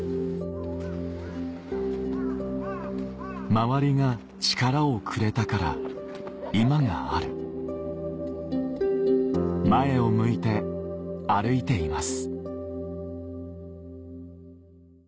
周りが力をくれたから今がある前を向いて歩いています